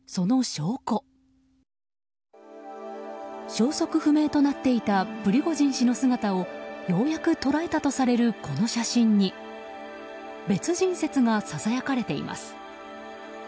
消息不明となっていたプリゴジン氏の姿をようやく捉えたとされるこの写真に別人説がささやかれています。